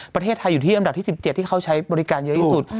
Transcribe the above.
ประเทศไทยอยู่ที่อันดับที่๑๗ที่เขาใช้บริการเยอะที่สุด